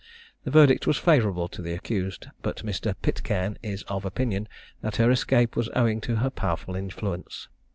The verdict was favourable to the accused; but Mr. Pitcairn is of opinion, that her escape was owing to her powerful influence.